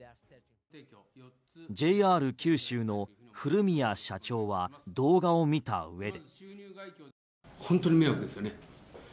ＪＲ九州の古宮社長は動画を見た上で。